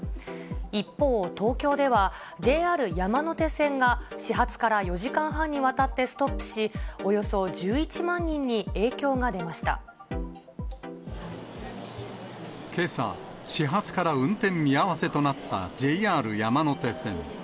一方、東京ではＪＲ山手線が、始発から４時間半にわたってストップし、けさ、始発から運転見合わせとなったＪＲ山手線。